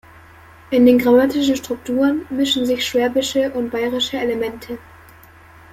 In den grammatischen Strukturen mischen sich schwäbische und bairische Elemente.